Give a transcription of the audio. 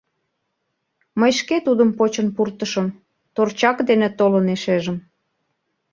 Мый шке тудым почын пуртышым, торчак дене толын эшежым!